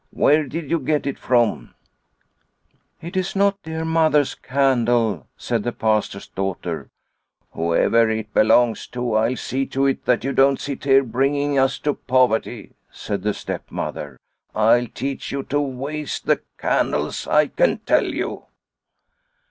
Where did you get it from ?" "It is not dear Mother's candle," said the Pastor's daughter. " Whoever it belongs to, I'll see to it that you don't sit here bringing us to poverty," said her stepmother. "I'll teach you to waste the candles, I can tell you."